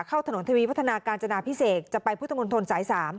เข้าถนนทวีพัฒนาการจนาพิเศษจะไปพุทธมนตรสาย๓